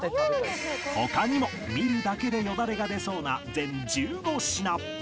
他にも見るだけでよだれが出そうな全１５品